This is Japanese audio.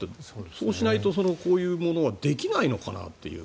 そうしないと、こういうものはできないのかなという。